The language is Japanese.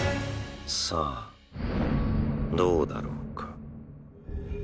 さあどうだろうか。